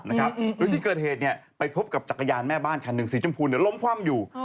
โดยที่เกิดเหตุไปพบกับจักรยานแม่บ้านคันหนึ่งสีชมพูล้มคว่ำอยู่